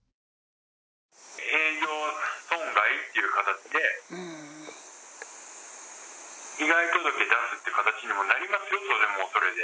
営業損害っていう形で、被害届出すっていう形にもなりますよ、当然それは。